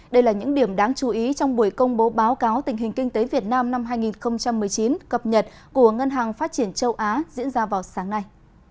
đây là những điểm đáng chú ý trong buổi công bố báo cáo tình hình kinh tế việt nam năm hai nghìn một mươi chín cập nhật của ngân hàng phát triển châu á diễn ra vào sáng nay